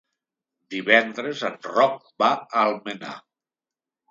Divendres en Roc va a Almenar.